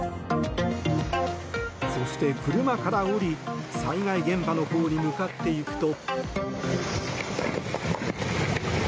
そして、車から降り災害現場のほうに向かっていくと。